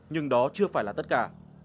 nhưng đó chưa phải là tất cả